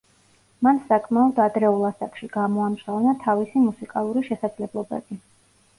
მან საკმაოდ ადრეულ ასაკში გამოამჟღავნა თავისი მუსიკალური შესაძლებლობები.